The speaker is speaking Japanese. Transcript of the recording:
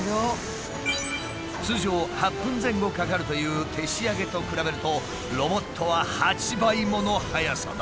通常８分前後かかるという手仕上げと比べるとロボットは８倍もの速さだ。